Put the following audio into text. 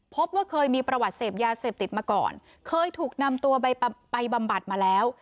พบว่าเคยมีประวัติเสพยาเสพติดมาก่อนเคยถูกนำตัวไปบำบัดมาแล้ว